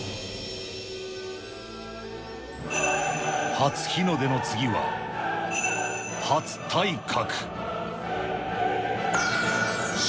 初日の出の次は、初体格。